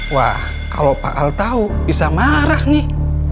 wah kalo pak al tau bisa marah nih